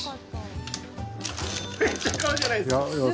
めっちゃ買うじゃないですか。